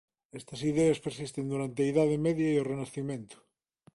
Estas ideas persisten durante a Idade Media e o Renacemento